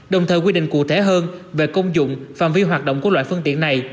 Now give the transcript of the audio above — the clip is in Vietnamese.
đồng thời quy định cụ thể hơn về công dụng phạm vi hoạt động của loại phương tiện này